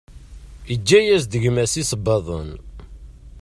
Yeǧǧa-as-d gma-s iṣebbaḍen.